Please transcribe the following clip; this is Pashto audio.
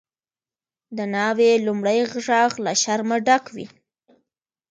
د ناوی لومړی ږغ له شرمه ډک وي.